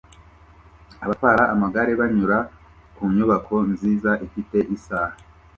Abatwara amagare banyura ku nyubako nziza ifite isaha